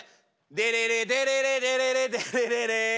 デレレデレレデレレデレレレ。